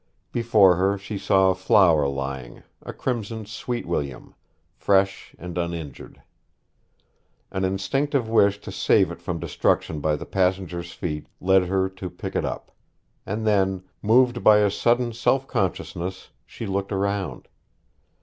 Before her she saw a flower lying a crimson sweet william fresh and uninjured. An instinctive wish to save it from destruction by the passengers' feet led her to pick it up; and then, moved by a sudden self consciousness, she looked around.